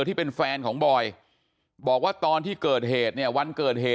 ที่เป็นแฟนของบอยบอกว่าตอนที่เกิดเหตุเนี่ย